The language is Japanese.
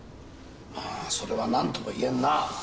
まあそれはなんとも言えんな。